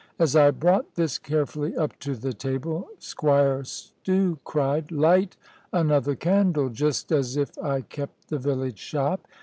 As I brought this carefully up to the table, Squire Stew cried, "Light another candle," just as if I kept the village shop!